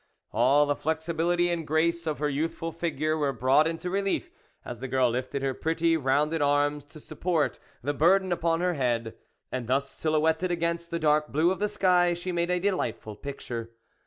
All the flexibility and grace of her youthful figure were brought into relief as the girl lifted her pretty rounded arms to support the burden upon her head, and thus silhouetted against the dark blue of the sky she made a delight ful picture.